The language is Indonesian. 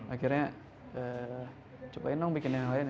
akhirnya cobain dong bikin yang lain